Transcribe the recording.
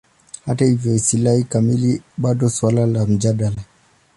Hata hivyo, istilahi kamili bado suala la mjadala.